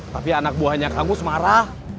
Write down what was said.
tapi anak buahnya kangu semarah